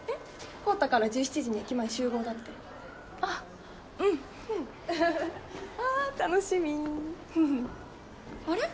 コータから１７時に駅前集合だってあっうんうんあ楽しみあれ？